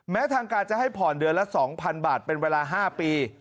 ทางการจะให้ผ่อนเดือนละ๒๐๐๐บาทเป็นเวลา๕ปี